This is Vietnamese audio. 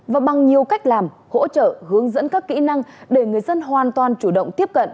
và bằng nhiều cách làm hỗ trợ hướng dẫn các kỹ năng để người dân hoàn toàn chủ động tiếp cận